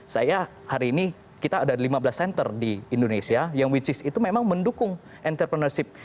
saya hari ini kita ada lima belas center di indonesia yang memang mendukung entrepreneurship